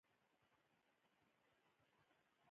باسواده ښځې د پولیسو په لیکو کې دنده ترسره کوي.